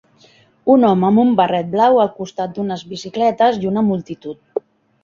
Un home amb un barret blau al costat d'unes bicicletes i una multitud.